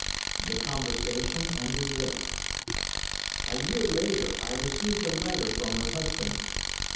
The conversation ended here. A year later I received a letter from her husband.